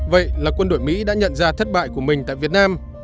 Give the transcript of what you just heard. vậy là quân đội mỹ đã nhận ra thất bại của mình tại việt nam